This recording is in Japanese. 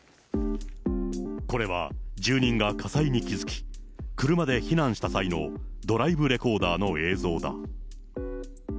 これは住人が火災に気付き、車で避難した際の、ドライブレコーダーの映像だ。